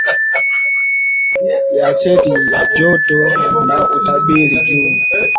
ya chati ya joto na utabiri juu